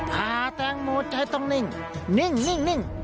พาแตงโมจะต้องนิ่งนิ่ง